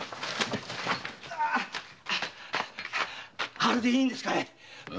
あれでいいんですかい？